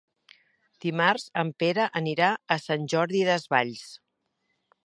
Dimarts en Pere anirà a Sant Jordi Desvalls.